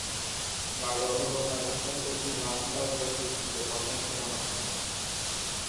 বাবর হলো পাকিস্তান কর্তৃক নকশা ও প্রস্তুতকৃত প্রথম ক্ষেপণাস্ত্র।